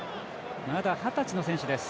まだ二十歳の選手です。